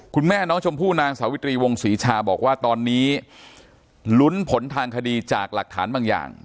คุณแม่น้องชมพู่นางสาวิตรีวงศรีชาบอกว่าตอนนี้ลุ้นผลทางคดีจากหลักฐานบางอย่าง